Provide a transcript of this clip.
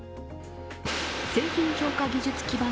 製品評価技術基盤